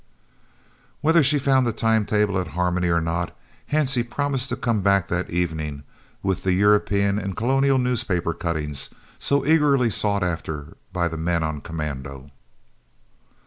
Whether she found the time table at Harmony or not, Hansie promised to come back that evening, with the European and Colonial newspaper cuttings, so eagerly sought after by the men on commando.